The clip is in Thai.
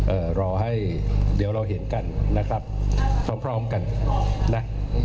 เอ่อรอให้เดี๋ยวเราเห็นกันนะครับพร้อมพร้อมกันนะ